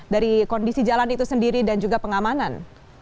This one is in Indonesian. dari kondisi jalan itu sendiri dan juga pengamanan